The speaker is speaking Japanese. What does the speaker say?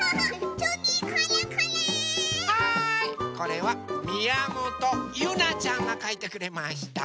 これはみやもとゆなちゃんがかいてくれました。